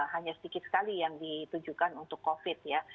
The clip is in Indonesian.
hanya sedikit sekali yang ditujukan untuk covid ya